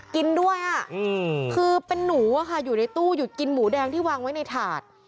กินด้วยคือเป็นหนูอยู่ในตู้หยุดกินหมูแดงที่วางไว้ในถาด